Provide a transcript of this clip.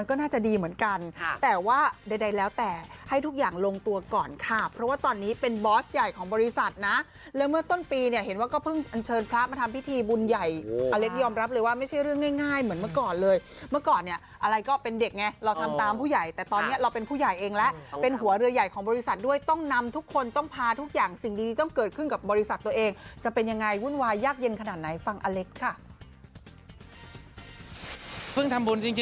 ก็น่าจะดีเหมือนกันแต่ว่าใดแล้วแต่ให้ทุกอย่างลงตัวก่อนค่ะเพราะว่าตอนนี้เป็นบอสใหญ่ของบริษัทนะแล้วเมื่อต้นปีเนี่ยเห็นว่าก็เพิ่งเชิญพระมาทำพิธีบุญใหญ่อเล็กยอมรับเลยว่าไม่ใช่เรื่องง่ายเหมือนเมื่อก่อนเลยเมื่อก่อนเนี่ยอะไรก็เป็นเด็กไงเราทำตามผู้ใหญ่แต่ตอนนี้เราเป็นผู้ใหญ่เองละเป็นหัวเรือใหญ่ของบร